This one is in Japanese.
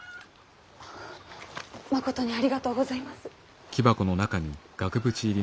あまことにありがとうございます。